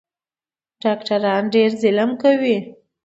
ډاکټران ډېر ظلم کوي